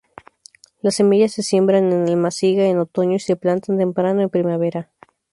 Las semillas se siembran en almáciga en otoño y se plantan temprano en primavera.